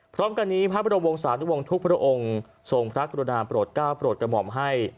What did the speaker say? พร้อมกันนี้พระบรมวงศานุวงศ์ทุกพระองค์ทรงพระกรุณาโปรดก้าวโปรดกระหม่อมให้